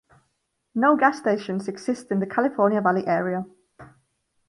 No gas stations exist in the California Valley area.